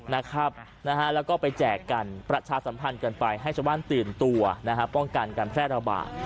แล้วก็ไปแจกกันประชาสัมพันธ์กันไปให้ชาวบ้านตื่นตัวป้องกันการแพร่ระบาด